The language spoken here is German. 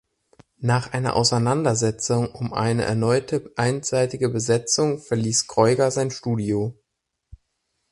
Nach einer Auseinandersetzung um eine erneute einseitige Besetzung verließ Kreuger sein Studio.